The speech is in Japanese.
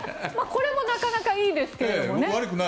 これもなかなかいいですけどね。